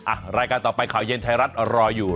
รายการต่อไปข่าวเย็นไทยรัฐรออยู่